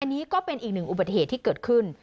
อันนี้ก็เป็นอีกหนึ่งอุบัติเหตุที่เกิดขึ้น